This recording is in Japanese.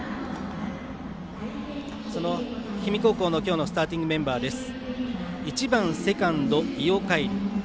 その氷見高校の今日のスターティングメンバーです。